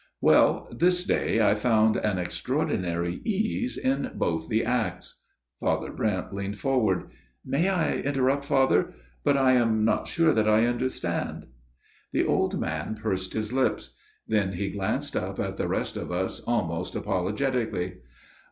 Well, this day I found an extraordinary ease in both the acts." Father Brent leaned forward. " May I interrupt, Father ? But I am not sure that I understand," FATHER GIRDLESTONE'S TALE 105 The old man pursed his lips. Then he glanced up at the rest of us almost apologetically.